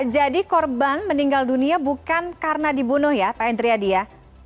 jadi korban meninggal dunia bukan karena dibunuh ya pak entriadi ya